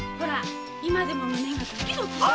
今でも胸がドキドキ。